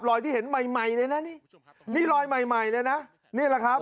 ที่เห็นใหม่ใหม่เลยนะนี่นี่รอยใหม่ใหม่เลยนะนี่แหละครับ